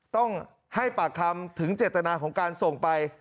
ต้องให้ปากคำถึงเจตนาของการส่งไป